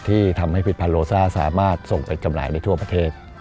ที่ทำให้ผลิตภัณฑ์โลซ่าสามารถส่งไปจำหน่ายได้ทั่วประเทศ